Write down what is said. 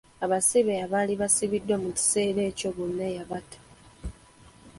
Abasibe abaali basibiddwa mu kiseera ekyo bonna yabata.